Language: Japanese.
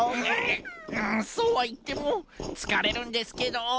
えっうんそうはいってもつかれるんですけど。